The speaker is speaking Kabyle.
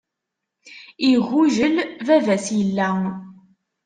Iggujel, baba-s illa.